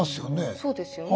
そうですよね。